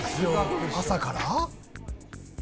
朝から？